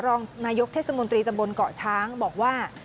รองนายกเทศบลเกาะช้างบอกว่า